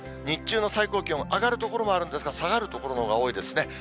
日中の最高気温、上がる所もあるんですが、下がる所のほうが多いですね。